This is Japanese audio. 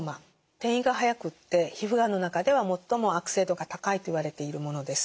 転移が速くって皮膚がんの中では最も悪性度が高いといわれているものです。